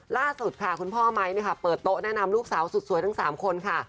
ล่าสุดค่ะคุณพ่อไม้เปิดโต๊ะแนะนำลูกสาวสุดสวยทั้ง๓คนค่ะ